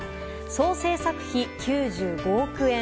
総制作費９５億円。